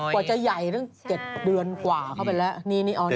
กว่าจะใหญ่ตั้ง๗เดือนกว่าเข้าไปแล้ว